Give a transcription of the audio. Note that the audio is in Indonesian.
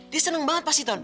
dia seneng banget pasti ton